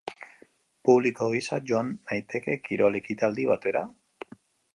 Publiko gisa joan naiteke kirol-ekitaldi batera?